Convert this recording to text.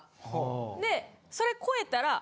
でそれ超えたら。